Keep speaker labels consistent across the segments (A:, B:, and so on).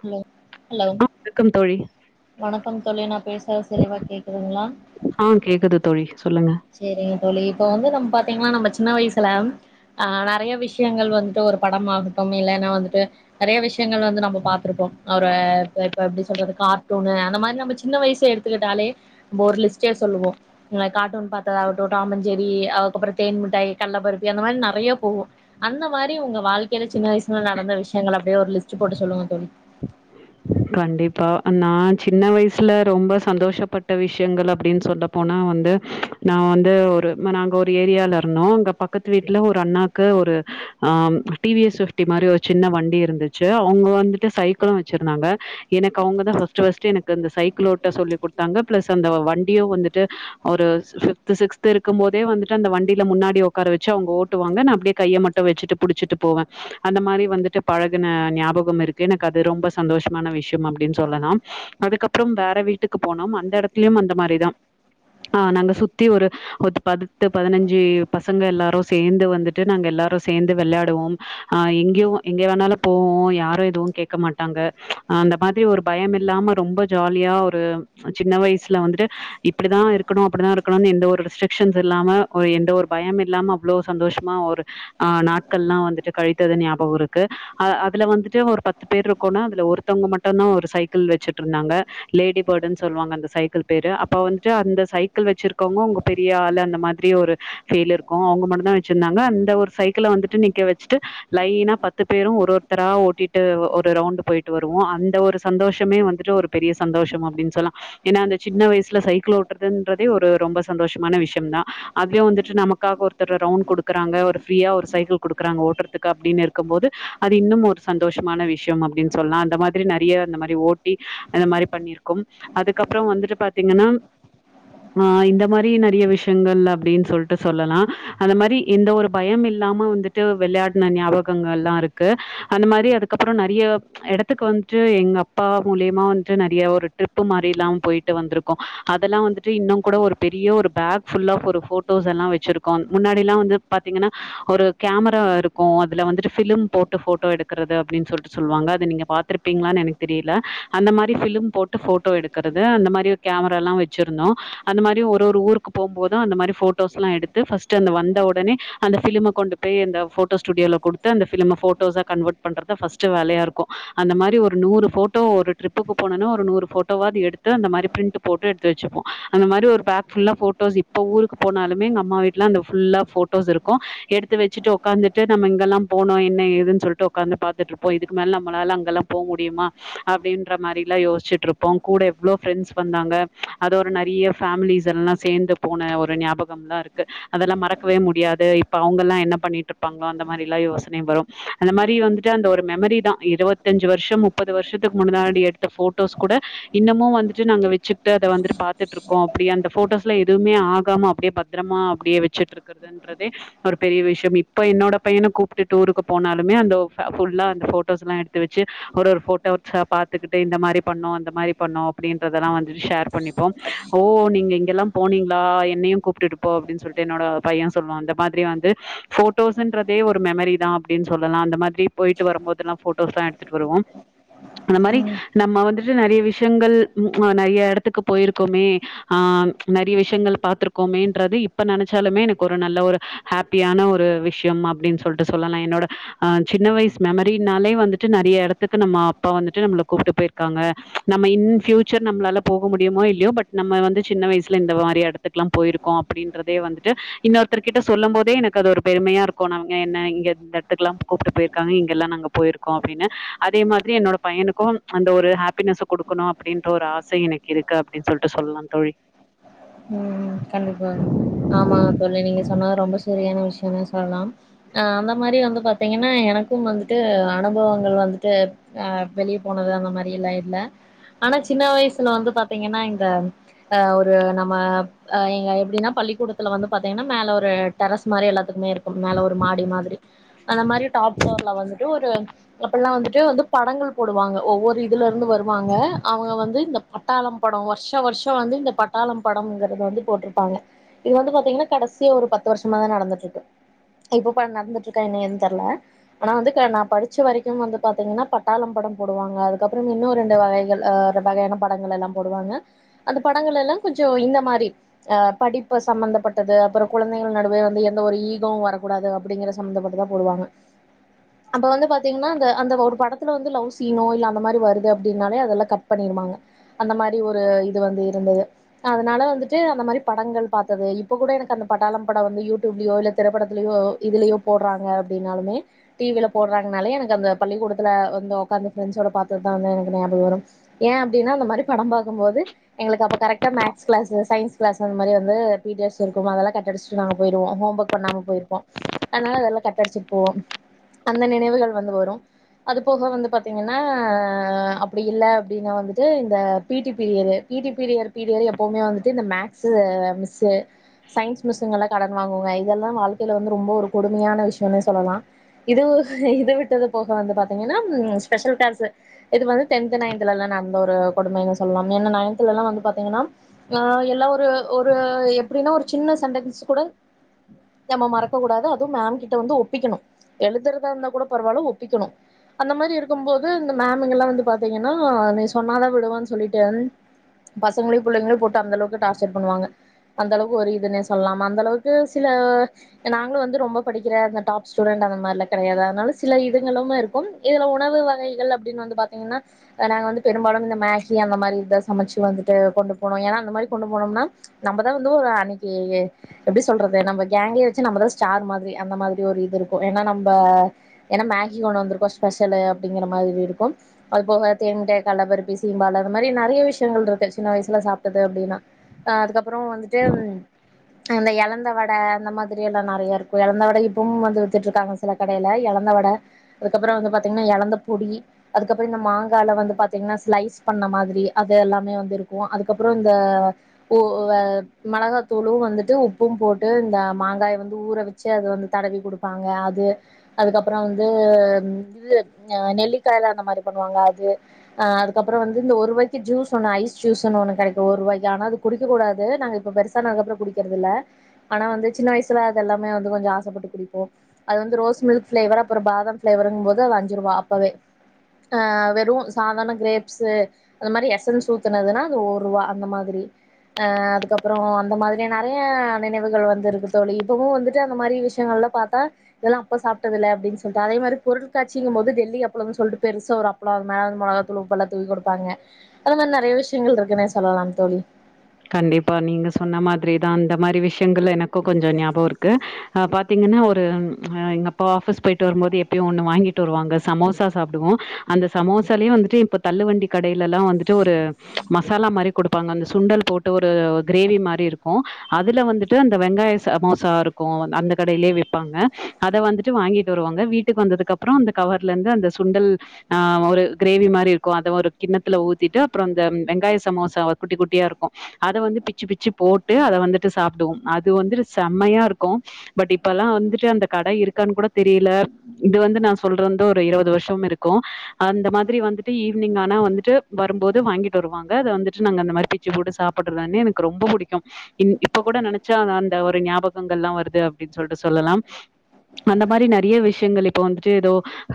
A: Hello hello
B: ஆ வணக்கம் தோழி
A: வணக்கம் தோழி நா பேசுறது தெளிவா கேக்குதுங்ளா
B: ஆ கேக்குது தோழி சொல்லுங்க
A: சேரிங்க தோழி இப்ப வந்து நம் பாத்தீங்கன்னா நம்ம சின்ன வயசுல ஆ நெறய விஷயங்கள் வந்துட்டு ஒரு படம் ஆகட்டும் இல்லன்னா வந்துட்டு நெறய விஷயங்கள் வந்து நம்ம பாத் இருப்போ அவ்ரு இப்ப இப்ப எப்டி சொல்றது கார்ட்டூனு அந்த மாரி நம்ம சின்ன வயசு எடுத்துக்கிட்டாலே ஒரு லிஸ்ட்டே சொல்லுவோ ந காட்டூன் பாத்ததாகட்டு டாம்மஞ்செரி அதுக்கப்பறோ தேன் மிட்டாய் கல்ல பர்பி அந்த மாரி நெறய போவு அந்த மாரி உங்க வாழ்க்கைல சின்ன வயசுல நடந்த விஷயங்கள் அப்டியே ஒரு லிஸ்ட் போட்டு சொல்லுங்க தோழி
B: கண்டிப்பா நா சின்ன வயசுல ரொம்ப சந்தோஷப்பட்ட விஷயங்கள் அப்டின் சொல்ல போனா வந்து நா வந்து ஒரு நாங்க ஒரு ஏரியால இருந்தோ அங்க பக்கத்து வீட்ல ஒரு அண்ணாக்கு ஒரு ஆம் டி வி எஸ் பிப்டி மாரி ஒரு சின்ன வண்டி இருந்துச்சு அவுங்க வந்துட்டு சைக்கிளு வச்சிருந்தாங்க எனக்கு அவுங்க தா ஃபஸ்ட்டு ஃபஸ்ட்டு எனக்கு இந்த சைக்கிளோட்ட சொல்லி குடுத்தாங்க பிளஸ் அந்த வண்டியு வந்துட்டு ஒரு சி ஃபிப்து சிக்ஸ்து இருக்கும் போதே வந்துட்டு அந்த வண்டில முன்னாடி உக்கார வச்சு அவுங்க ஓட் டுவாங்க நா அப்டியே கைய மட்டு வச்சுட்டு புடிச்சிட்டு போவே அந்த மாரி வந்துட்டு பழகுன ஞாபகம் இருக்கு எனக்கு அது ரொம்ப சந்தோஷ மான விஷ்யம் அப்டின் சொல்லலா அதுக்கப்றம் வேற வீட்டுக்கு போனோம் அந்த இடத்துலயு அந்த மாரிதா ஆ நாங்க சுத்தி ஒரு ஒது பத்து பதினஞ்சு பசங்க எல்லாரு சேந்து வந்துட்டு நாங்க எல்லாரு சேந்து வெள்யாடுவோம் ஆ எங்யு எங்கே வேணாலு போவோ யாரு எது கேக்க மாட்டாங்க ஆ அந்த மாதிரி ஒரு பயம் இல்லாம ரொம்ப ஜாலியா ஒரு சின்ன வயசுல வந்துட்டு இப் இப்டி தா இருக்கணு அப்டி தா இருக்கணுன் எந்த ஒரு ரெஸ்ட்ரிக்ஷன்ஸ் இல்லாம ஒரு எந்த ஒரு பயம் இல்லாம அவ்ளோ சந்தோஷமா ஒரு ஆ நாட்கள்லா வந்துட்டு கழித்தது ஞாபகோ இருக்கு அ அதுல வந்துட்டு ஒரு பத்து பேர் இருக்கோன்னா அது ல ஒருத்தவங்க மட்டுந்தா ஒரு சைக்கிள் வச்சுட்ருந்தாங்க லேடி பேர்டுன் சொல்வாங்க அந்த சைக்கிள் பேரு அப்ப வந்துட்டு அந்த சைக்கிள் வச்சிருக்கவங்க அவங்க பெரிய ஆள் அந்த மாதிரி ஒரு ஃபீல் இருக்கு அவங்க மட்டு தா வெச்சிருந்தாங்க அந்த ஒரு சைக்கிள வந்துட்டு நிக்க வெச்சுட்டு லைனா பத்து பேரு ஒரு ஒருத்தரா ஓட்டிட்டு ஒரு ரவுண்ட் போய் ட்டு வருவோ அந்த ஒரு சந்தோஷமே வந்துட்டு ஒரு பெரிய சந்தோஷம் அப்டின்னு சொல்லா ஏன்னா அந்த சின்ன வயசுல சைக்கிள் ஓட்டுறதுன்றதே ஒரு ரொம்ப சந்தோஷமான விஷயம் தா அதுலயு வந்துட்டு நமக்காக ஒரு த்தரு ரவுண்ட் குடுக்குறாங்க ஒரு ஃப்ரீயா ஒரு சைக்கிள் குடுக்குறாங்க ஓட்றதுக்கு அப்டின்னு இருக்கும் போது அது இன்னும் ஒரு சந்தோஷமான விஷயம் அப்டின் சொல்லா அந்த மாதிரி நறைய அந்த மாதிரி ஓட்டி அந்த மாரி பண்ணிருக்கும் அதுக்கு அப்றோ வந்துட்டு பாத்திங்கன்னா ஆ இந்த மாரி நறைய விஷயங்கள் அப்டின்னு சொல்ட்டு சொல்லலா அந்த மாரி எந்த ஒரு பயம் இல்லாம வந்துட்டு வெளையாடுன ஞாபகங்கள்லா இருக்கு அந்த மாரி அதுக்கப்புறோ நறைய எடத்துக்கு வந்துட்டு எங்க அப்பா மூலியமா வந்துட்டு நறைய ஒரு ட்ரிப்பு மாரில்லா போயி ட்டு வந்துருக்கோ அதெல்லா வந்துட்டு இன்னு கூட ஒரு பெரிய ஒரு பேக் ஃபுல் ஆஃப் ஒரு ஃபோட்டோஸ் எல்லா வெச்சிருக் கு முன்னாடி எல்லா வந்து பாத்தீங்கன்னா ஒரு கேமரா இருக்கு அதுல வந்துட்டு ஃபிலிம் போட்டு ஃபோட்டோ எடுக்கிறது அப்டின்னு சொல்ட்டு சொல்லுவாங்க அத நீங்க பாத்துருப்பீங்களானு எனக்கு தெரியில அந்த மாரி ஃபிலிம் போட்டு ஃபோட்டோ எடுக்குறது அந்த மாரி கேமரா எல்லா வெச்சிருந்தோ அந்த மாரி ஒரு ஊக்கு போம்போது அந்த மாரி ஃபோட்டோஸ்லா எடுத்து ஃபஸ்ட் அந்த வந்த ஒடனே அந்த ஃபிலிம கொண்டு போய் அந்த ஃபோட்டோ ஸ்டூடியோல கொடுத்து அந்த ஃபிலிம ஃபோட்டோஸா கன்வர்ட் பண்றத ஃபர்ஸ்டு வேலையா இரு க்கு அந்த மாரி ஒரு நூறு ஃபோட்டோ ஒரு ட்ரிப்புக்கு போனோனா ஒரு நூறு ஃபோட்டோவாது எடுத்து அந்த மாரி பிரிண்ட் போட்டு எடுத்து வெச்சுப்போ அந்த மாரி பேக் ஃபுல்லா ஃபோட்டோஸ் இப்போ ஊருக்கு போனாலுமே எங்க அமா வீட்டுலா அந்த ஃபுல்லா ஃபோ ட்டோஸ் இருக்கு எடுத்து வெச்சுட்டு உக்காந்துட்டு நம்ம இங்கெல்லா போனோ என்ன ஏதுன்னு சொல்ட்டு உக்காந்து பாத்துட்டு இருப்போ இதுக்கு மேல நம்மளால அங்கெல்லா போ முடியுமா அப்டின்ற மாரிலா யோச்சிட்டு இருப்போ கூட எவ்வளோ ப்ரெண்ட்ஸ் வந்தாங்க அது ஒரு நறைய பேமிலிஸ் எல்லா சேர்ந்து போன ஒரு ஞாபகம்லாம்லா இருக்கு அதெல்லா மறக்கவே முடியாது இப்ப அவங்க எல்லா என்ன பண்ணிட்டு இருப்பாங்களோ அந்த மாரி எல்லா யோசனை வரு அந்த மாரி வந்துட்டு அந்த ஒரு மெமரி தா இருவத்தஞ்சு வருஷ முப்பது வருஷத்துக்கு முன்னாடி எடுத்த ஃபோட்டோஸ் கூட இன்னமு வந்துட்டு நாங்க வெச்சுக்ட்டு அத வந்துட்டு பாத்துட்டு இருக்கோ அப்டி அந்த ஃபோட்டோஸ்ல எதுவுமே ஆகாம அப்டியே ப த்திரமா அப்டியே வச்சிட்டு இருக்கறதுன்றதே ஒரு பெரிய விஷயம் இப்ப என்னோட பையன கூப்ட்டு டூருக்கு போனாலுமே அந்த ஃப ஃபுல்லா அந்த ஃபோ ட்டோஸ்லா எடுத்து வெச்சு ஒரு ஒரு ஃபோட்டோ சா பாத்துகுட்டு இந்த மாரி பண்ணோ அந்த மாரி பண்ணோ அப்டின்றதெல்லா வந்துட்டு ஷேர் பண்ணிப்போ ஓ நீங்க இங்கெல்லாம் போனீங்களா என்னையு கூப்டுட்டு போ அப்டின்னு சொல்ட்டு என்னோட பைய சொல்லுவா அந்த மாதிரி வந்து ஃபோஞ்டோஸுன்றதே ஒரு மெமரி தா அப்டின்னு சொல்லலா அந்த மாத் போயிட்டு வரும்போதுல்லா ஃபோட்டோஸ்லா எடுத்துட்டு வருவோ அந்த மாரி நம்ம வந்து நறைய விஷயங்கள் ம் அ நறைய எடத்துக்கு போயிருக்கோமே ஆ நறைய விஷயங்கள் பாத்திருக்கோமேன்றது இப்ப நெனைச்சாலுமே எனக்கு ஒரு நல்ல ஒரு ஹாப்பியான ஒரு விஷயம் அப்டின்னு சொல்ட்டு சொல்லலா என்னோட அ சின்ன வயசு மெமரி நாலே வந்துட்டு நறைய எடத்துக்கு நம்ம அப்பா வந்துட்டு நம்மள கூப்ட்டு போயிருக்காங்க நம்ம இன் பியூச்சர் நம்ளால போக முடியுமோ இல்லையோ பட் நம்ம வந்து சின்ன வயசுல இந்த மாரி எடத்துக்குலா போயிருக்கோ அப்டின்றதே வந்துட்டு இன்னொருத்தர்கிட்ட சொல்லும் போதே எனக்கு அது ஒரு பெருமையா இருக்கு நாங் என்ன எந்த எடத்துக்கு எல்லா கூப்ட்டு போயிருக்காங்க இங்கெல்லா நாங்க போயிருக்கோ அப்டின்னு அதே மாதிரி என்னோட பையனுக்கு அந்த ஒரு ஹாப்பினஸ்ஸ கொடுக்கணு அப்டின்ற ஒரு ஆசை எனக்கு இருக்கு அப்டின் சொல்ட்டு சொல்லலா தோழி
A: ம் கண்டிப்பா ஆமா தோழி நீங்க சொன்ன ரொம்ப சரியான விஷயமே சொல்லலாம் ஆ அந்த மாரி வந்து பாத்தீங்கன்னா எனக்கும் வந்துட்டு அனுபவங்கள் வந்துட்டு ஆ வெளிய போனது அந்த மாதிரி எல்லாம் இல்ல ஆனா சின்ன வயசுல வந்து இந்த ஏஒரு நம் நம்ம எங்க எப்டின்னா பள்ளிக்கூடத்துல வந்து பாத்தீங்கன்னா மேல ஒரு டெரஸ் மாரி எல்லாத்துக்குமே இருக்கு மேல ஒரு மாடி மாதிரி அந்த மாரி டாப் ஃளோர்ல வந்துட்டு ஒரு அப்டிலா வந்துட்டு வந்து படங்கள் போடுவாங்க ஒவ்வொரு இதுல இருந்து வருவாங்க அவுங்க வந்து இந்த பட்டாளம் படம் வருஷா வருஷோ வந்து இந்த பட்டாளம் படம்ங்கிறது வந்து போட்டிருப்பாங்க இது வந்து பாத்தீங்கன்னா கடைசியா ஒரு பத்து வருஷமாதா நடந்துட்ருக்கு இப்பப்போ நடந்துட்டு இருக்கா என்ன ஏது தெர்ல ஆனா வந்து நா படிச்ச வரைக்கு வந்து பாத்தீங்கன்னா பட்டாளம் படம் போடுவாங்க அதுக்கப்பறோ இன்னு ரெண்டு வகைகள் ஆ இந்த வகையான படங்களெல்லா போடுவாங்க அந்த படங்களெல்லா கொஞ்சோ இந்த மாரி ஆ படிப்பு சமமந்தப்பட்டது அப்பறோ குழந்தைகள் நடுவே வந்து எந்த ஒரு ஈகோவு வரக்கூடாது அப்டிங்கற சம்மந்தப்பட்டதா போடுவாங்க அப்போ வந்து பாத்தீங்கன்னா அந்த அந்த ஒரு படத்துல வந்து லவ் சீனோ இல்ல அந்த மாரி வருது அப்டின்னாலே அதெலா கட் பண்ணிருவாங்க அந்த மாரி ஒரு இது வந்து இருந்துது அதனால வந்துட்டு அந்த மாரி படங்கள் பாத்தது இப்போ கூட எனக்கு அந்த பட்டாளம் படம் வந்து யூடூப்லியோ இல்ல திரைப்படத்துலியோ இதுலயோ போடுறாங்க அப்டின்னாலுமே டிவியில போடுறாங்கனாலே எனக்கு அந்த பள்ளிக்கூடத்துல வந்து உக்காந்து ஃப்ரெண்ட்ஸோட பாத்ததுதா வந்து எனக்கு ஞாபகோ வரு ஏன் அப்டின்னா அந்த மாரி படோ பாக்கு எங்களுக்கப்ப கரெக்ட் கிட்ட மேக்ஸ் கிளாஸ்ஸு சயின்ஸ் கிளாஸ்ஸு அத்மாரி வந்து பி டி க்ளாஸ் இருக்குன்ல அதெல்லா கட் அடிச்சுட்டு நாங்க போயிடுவோ ஹோம்ஒர்க் பண்ணாம போயிருப்போ அதனால அதெல்லா கட் அடிச்சிட்டு போவோ அந்த நினைவுகள் வந்து வரு அது போக வந்து பாத்தீங்கன்னா அப்டி இல்ல அப்டின்னா வந்துட்டு இந்த P T period P T period பீடியட் எப்பவுமே வந்துட்டு இந்த மேக்ஸ் மிஸ்ஸு சயின்ஸ் மிஸ்ங்கள்லா கடன் வாங்குவங்க இதெல்லா வாழ்க்கைல வந்து ரொம்ப ஒரு கொடுமையான விஷயம்ன்னே சொல்லலா இது இது விட்டத போக வந்து பாத்தீங்கன்னா ஸ்பெஷல் க்ளாஸ் இது வந்து டென்த் நைன்த்லலா நடந்த ஒரு கொடுமைனு சொல்லலா ஏன்னா நைன்த்லெல்லா வந்து பாத் திங்கன்னா நா எல்லா ஒரு ஒரு ம் எப்டின்னா ஒரு சின்ன சென்டன்ஸ்ஸு கூட நம்ம மறக்க கூடாது அதும் மேம் கிட்ட வந்து ஒப்பிக்கணு எழுதுறதா இருந்தா கூட பரவால்ல ஒப்பிக்கணு அந்த மாரி இருக்கும்போது இந்த மேமுங்கெல்லா வந்து பாத்தீங்கன்னா நீ சொன்னாதா விடுவன்னு சொல்லிட்டே பசங்களயு புள்ளங்களையு போட்டு அந்தளவுக்கு டார்ச்சர் பண்ணுவாங்க அந்த அளவுக்கு ஒரு இதுன்னே சொல்லலாம் அந்தளவுக்கு சில நாங்களு வந்து ரொம்ப படிக்கிற டாப் ஸ்டூடெண்ட் அந்த கெடையாது அதனால சில இதுங்களும் இருக்கும் இதுல உணவு வகைகள் அப்டினு வந்து பாத்தீங்கன்னா ஆ நாங்க வந்து பெரும்பாலு இந்த மேகி அந்த மாதிரி இதா சமச்சி வா கு கொண்டு போனோ ஏன்னா அந்த மாரி கொண்டு போனோனா நம்மதா வந்து ஒரு அன்னிக்கு இ எப்டி சொல்றது நம்ம கேங்கயே வச்சு நம்மதா ஸ்டார் மாதிரி அந்த மாதிரி ஒரு இது இருக்கு ஏன்னா நம்ப ஏன்னா மேகி கொண்டு வந்திருக்கோ ஸ்பெஷலு அப்டிங்கிற மாரி இருக்கு அதுபோக தேன் முட்டாய் கல்லப்பருப்பி சீம்பாலு அது மாரி நெறய விஷயங்கள் இருக்கு சின்ன வயசுல சாப்ட்டது அப்டின்னா ஆ அதுக்கப்பறோ வந்துட்டு அந்த எலந்த வட அந்த மாரி எல்லா நெறய இருக்கு எலந்த வட இப்பவும் வந்து வித்துட்டு இருக்காங்க சில கடைல எலந்த வட அதுக்கப்பறோ வந்து பாத்தீங்கன்னா எலந்த பொடி அதுக்கப்பறோ இந்த மாங்கால வந்து பாத்தீங்கன்னா ஸ்லைஸ் பண்ண மாதிரி அது எல்லாமே வந்து இருக்கு ஓ அதுக்கப்பறோ இந்த ஓ மொளகாத்தூளு வந்துட்டு உப்பு போட்டு இந்த மாங்காய வந்து ஊற வச் சி அது வந்து தடவி குடுப்பாங்க அது அதுக்கப்பறோ வந்து இது ஆ நெல்லிக்காய்ல அந்த மாரி பண்ணுவாங்க அது ஆ அதுக்கப்புற வந்து இந்த ஒருபாயிக்கு ஜூஸ் ஒன்னு ஐஸ் ஜூஸ்ன்னு ஒன்னு கெடைக்கு ஒரு ரூபாய்க்க ஆனா அது குடிக்கக் கூடாது நாங்க இப்ப பெருசானக்கப்பற குடிக்கிறதுல்ல ஆனா வந்து சின்ன வயசங அதெல்லாமே வந்து கொஞ்ச ஆசப்பட்டு குடிப்போ அது வந்து ரோஸ் மில்க் ஃபிளேவர் அப்பற பாதாம் ஃபிளேவருங்கும் போது அது அஞ்சு ரூபா அப்பவே ஆ வெறு சாதாரண கிரேப்ஸு அந்த மாரி எசன்ஸு ஊத்துனதுன்னா அது ஒருவா அந்த மாதிரி ஆ அதுக்கப்புற அந்த மாதிரி நெறைய நினைவுகள் வந்து இருக்கு தோழி இப்போவு வந்துட்டு அந்த மாரி விஷயங்கள்லா பாத்தா இதெல்லா அப்போ சாப்ட்டதுல அப்டின்னு சொல்லிட்டு அதே மாரி பொருள்காட்சிங்கும் போது டெல்லி அப்ளம் சொல்ட்டு பெருசா ஒரு அப் ளம் அது மேல மெளகாத்தூள் உப்புல்லா தூவி கொடுப்பாங்க அந்த மாரி நெறைய விஷயங்கள் இருக்குன்னே சொல்லலா தோழி
B: கண்டிப்பா நீங்க சொன்ன மாதிரிதா அந்த மாதிரி விஷயங்கள்ல எனக்கு கொஞ்ச ஞாபகோ இருக்கு ஆ பாத்தீங்கன்னா ஒரு ஆ எங்க அப்பா ஆஃபிஸ் போயிட்டு வரும்போது எப்பியு ஒண்ணு வாங்கிட்டு வருவாங்க சமோசா சாப்டுவோ அந்த சமோசாலையு வந்துட்டு இப்ப தள்ளு வண்டி கடையிலல்லா வந்துட்டு ஒரு மசாலா மாரி குடுப்பாங்க அந்த சுண்டல் போட் டு ஒரு கிரேவி மாரி இருக்கும் அதுல வந்துட்டு அந்த வெங்காய சமோசா இருக்கும் அந்த கடையிலேயே விப்பாங்க அத வந்துட்டு வாங்கிட்டு வருவாங்க வீட்டுக்கு வந்ததுக்கு அப்புறம் அந்த கவர்ல இருந்து அந்த சுண்டல் ஆ ஒரு கிரேவி மாரி இருக்கும் அத ஒரு கிண்ணத்துல ஊத்திட்டு அப்புற இந்த வெங்காய சமோசா குட்டி குட்டியா இருக்கு அத வந்து பிச்சு பிச்சு போட்டு அத வந்துட்டு சாப்டுவோ அது வந்துட்டு செம்மையா இருக்கு பட் இப்ப எல்லா வந்துட்டு அந்த கட இருக்கான்னு கூட தெரியல இது வந்து நா சொல்ற வந்து ஒரு இருவது வருஷம் இருக்கு அந்த மாதிரி வந்துட்டு ஈவினிங் ஆனா வந்துட்டு வரும்போது வாங்கிட்டு வருவாங்க அத வந்துட்டு நாங்க அந்த மாதிரி பிச்சு போட்டு சாப் போட்டு தானே எனக்கு ரொம்ப புடிக்கு இந் இப்ப கூட நெனைச்சா அந்த ஒரு ஞாபகங்கள்லா வருது அப்டின்னு சொல்ட்டு சொல்லலாம் அந்த மாரி நெறைய விஷயங்கள் இப்போ வந்துட்டு ஏதோ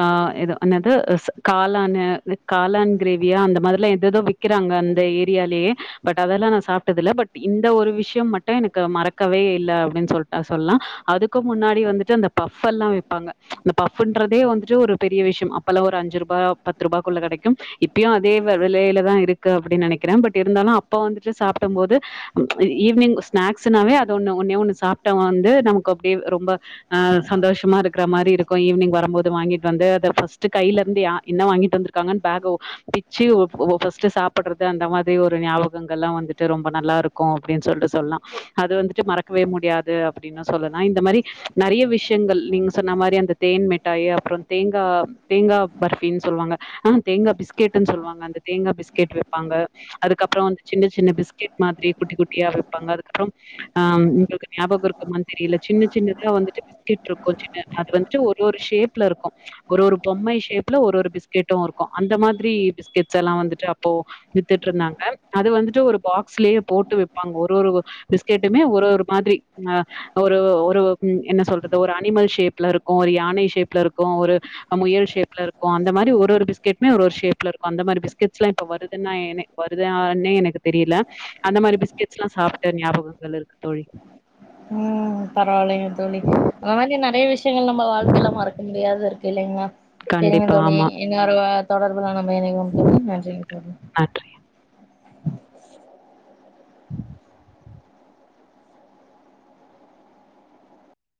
B: ஆ ஏத என்னது ஸ் காளானு காளான் கிரேவியா அந்த மாரில்லா ஏதேதோ விக்கிறாங்க அந்த ஏரியாலேயே பட் அதெல்லா நா சாப்ட்டதுல்ல பட் இந்த ஒரு விஷயம் மட்டு எனக்கு மறக்கவே இல்ல அப்டின்னு சொல்ட்டா சொல்லலா அதுக்கு முன்னாடி வந்துட்டு அந்த பஃப் எல்லா விப்பாங்க அந்த பஃபுன்றதே வந்துட்டு ஒரு பெரிய விஷயம் அப்பல்லா ஒரு அஞ்சு ரூபா பத்து ரூபாக்குள்ள கெடைக்கும் இப்பியு அதே வெ வெலையிலதா இருக்கு அப்டின்னு நெனைக்கிற பட் இருந்தாலு அப்போ வந்துட்டு சாப்டும் போது ஈவி்னிங் ஸ்நாக்ஸுனாவே அத ஒண்ணு ஒன்னே ஒண்ணு சாப்ட்டா வந்து நமக்கு அப்டியே ரொம்ப ஆ சந்தோஷமா இருக்குற மாரி இருக்கு ஈவினிங் வரம்போது வாங்கிட்டு வந்து அத ஃபஸ்ட்டு கையிலருந்து யா என்ன வாங்கிட்டு வந்துருக் காங்கன்னு பேக பிச்சு ஒ ஃபஸ்ட்டு சாப்புடுறது அந்த மாதிரி ஒரு ஞாபக ங்கள்லா வந்துட்டு ரொம்ப நல்லா இருக்கு அப்டின்னு சொல்லிட்டு சொல்லலா அது வந்துட்டு மறக்கவே முடியாது அப்டின்னு சொல்லலா இந்த மாரி நெறைய விஷயங்கள் நீங்க சொன்ன மாரி அந்த தேன் மிட்டாய் அப்புற தேங்கா தேங்கா பர்பின்னு சொல்லுவாங்க ஆ தேங்கா பிஸ்கெட்டுன்னு சொல்லுவாங்க அந்த தேங்கா பிஸ்கெட் விப்பாங்க அதுக்கப்புற வந்து சின்ன சின்ன பிஸ்கட் மாதிரி குட்டி குட்டியா விப்பாங்க அதுக்கப்புறம் ஆ உங்களுக்கு ஞாபக இருக்குமான்னு தெரியல சின்ன சின்னதா வந்துட்டு பிஸ்கெட் இருக்கு சின்ன அது வந்துட்டு ஒரு ஒரு ஷேப்ல இருக்கும் ஒரு ஒரு பொம்மை ஷேப்ல ஒரு பிஸ்கெட்டும் அந்த மாதிரி பிஸ்கெட்ஸ் எல்லா வந்துட்டு அப்போ வித்துட்ருந்தாங்க அது வந்துட்டு ஒரு பாக்ஸ்லேயே போட்டு விப்பாங்க ஒரு ஒரு பிஸ்கெட்டுமே ஒரு ஒரு மாதிரி ஆ ஒரு ஒரு என்ன சொல்றது ஒரு அனிமல் ஷேப்ல இருக்கும் ஒரு யானை ஷேப்ல இருக்கும் ஒரு ஆ முயல் ஷேப்ல இருக்கும் அந்த மாரி ஒரு பிஸ்கெட்மே ஒரு ஒரு ஷேப்ல இருக்கும் அந்த மாரி பிஸ்கெட்ஸ்லா இப்ப வருதுன்னு நா என்னே வருது தான்னே எனக்கு தெரியல அந்த மாரி பிஸ்கெட்ஸ்லா சாப்ட்ட ஞாபகங்கள் இருக்கு தோழி
A: ம் ம் பரவாயில்லைங்க தோழி அந்த மாரி நெறைய விஷியங்கள் நம்ம வாழ்க்கைல மறக்க முடியாது இருக்கு இல்லிங்ளா செரிங்க
B: கண்டிப்பா.
A: தோழி
B: ஆமா.
A: என்னரு தொடர்புலா நம்ம இனைவோ தோழி நன்றிங் தோழி
B: நன்றி